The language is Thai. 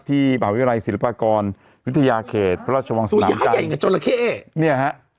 ที่ภาพวิทยาลัยศิลปากรวิทยาเขตพระราชวงศ์สนับใจ